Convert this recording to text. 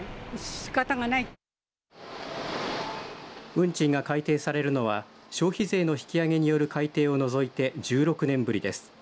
運賃が改定されるのは消費税の引き上げによる改定を除いて１６年ぶりです。